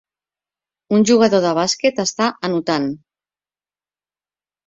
Un jugador de bàsquet està anotant.